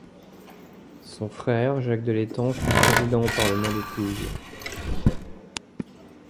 Son frère Jacques de Lestang fut président au parlement de Toulouse.